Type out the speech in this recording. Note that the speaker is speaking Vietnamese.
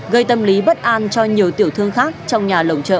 gây tâm lý bất an cho nhiều tiểu thương khác trong nhà lồng chợ